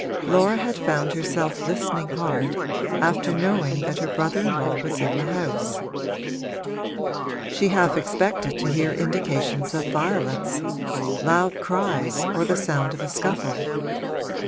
Laura had found herself listening hard, after knowing that her brother in law was in the house: she half expected to hear indications of violence loud cries or the sound of a scuffle.